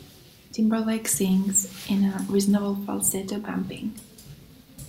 Timberlake sings in a "reasonable falsetto vamping".